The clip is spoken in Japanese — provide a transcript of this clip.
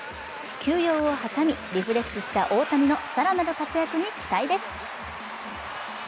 休養を挟み、リフレッシュした大谷の更なる活躍に期待です。